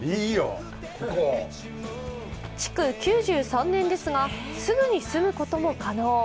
築９３年ですがすぐに住むことも可能。